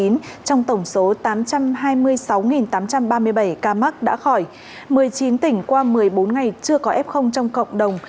trong tổng số tám trăm hai mươi sáu tám trăm ba mươi bảy ca mắc đã khỏi một mươi chín tỉnh qua một mươi bốn ngày chưa có f trong cộng đồng